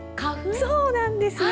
そうなんですよ。